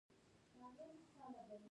ټیکنالوژي او روبوټکس